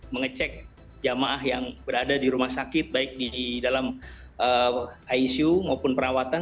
mengecek jamaah yang berada di rumah sakit baik di dalam icu maupun perawatan